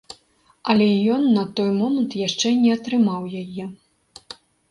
Але ён на той момант яшчэ не атрымаў яе.